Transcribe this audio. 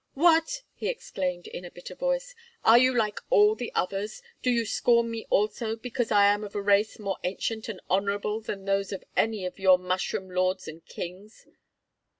"What!" he exclaimed in a bitter voice, "are you like all the others? Do you scorn me also because I am of a race more ancient and honourable than those of any of your mushroom lords and kings?